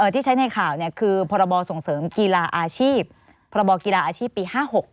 ที่ใช้ในข่าวคือพรบส่งเสริมกีฬาอาชีพพรบกีฬาอาชีพปี๕๖